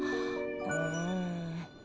うん。